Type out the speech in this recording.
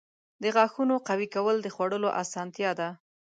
• د غاښونو قوي کول د خوړلو اسانتیا ده.